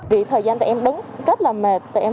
vì thời gian tụi em đứng rất là mệt